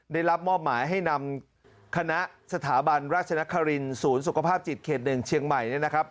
ได้รับมอบหมายให้นำคณะสถาบันราชนครินศูนย์สุขภาพจิตเขต๑เชียงใหม่เนี่ยนะครับ